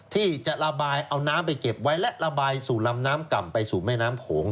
ที่จะระบายเอาน้ำไปเก็บไว้และระบายสู่ลำน้ำก่ำไปสู่แม่น้ำโขง